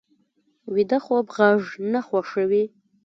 ویده خوب غږ نه خوښوي